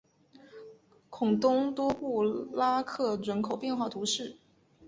孔东多布拉克人口变化图示